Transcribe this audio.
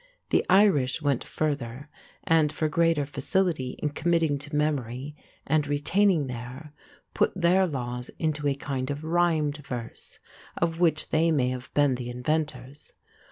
The Irish went further and, for greater facility in committing to memory and retaining there, put their laws into a kind of rhymed verse, of which they may have been the inventors.